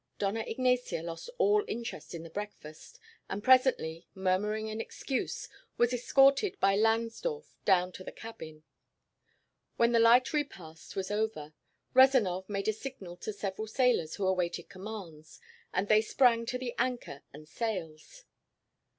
Dona Ignacia lost all interest in the breakfast, and presently, murmuring an excuse, was escorted by Langsdorff down to the cabin. When the light repast was over, Rezanov made a signal to several sailors who awaited commands, and they sprang to the anchor and sails.